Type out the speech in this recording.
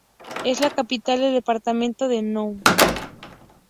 Es la capital del departamento de Noun.